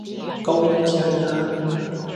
高溫加壓